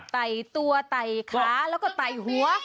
ไต่ตัวไต่ขาแล้วก็ไต่หัว